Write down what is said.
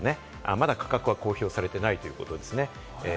まだ価格は公表されていないということですね。